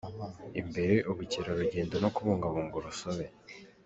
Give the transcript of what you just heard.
imbere ubukerarugendo no kubungabunga urusobe